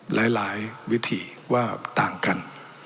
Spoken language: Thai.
หลายวิธีว่าต่างกัน